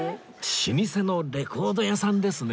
老舗のレコード屋さんですね